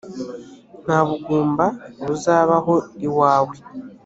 nta bugumba buzabaho iwawe,